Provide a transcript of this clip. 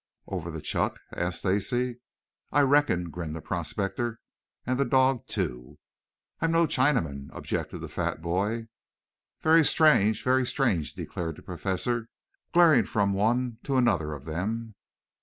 "Over the chuck?" asked Stacy. "I reckon," grinned the prospector. "And the dog, too." "I'm no Chinaman," objected the fat boy. "Very strange, very strange," declared the Professor, glaring from one to another of them.